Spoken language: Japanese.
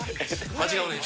間違うねん。